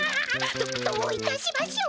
どどういたしましょう。